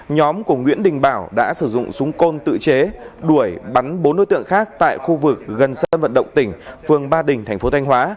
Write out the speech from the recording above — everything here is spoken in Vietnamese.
nhóm của nguyễn đình bảo đã sử dụng súng côn tự chế đuổi bắn bốn đối tượng khác tại khu vực gần sân vận động tỉnh phường ba đình thành phố thanh hóa